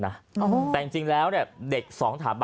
มันวนกลับมาตากผม